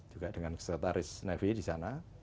juga dengan peserta ris navy di sana